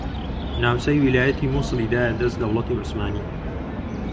ناوچەی ویلایەتی موسڵی دایە دەست دەوڵەتی عوسمانی